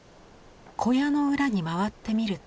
小屋の裏に回ってみると。